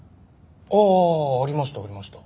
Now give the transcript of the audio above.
ああありましたありました。